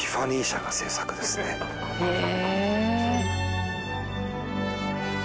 「へえ！」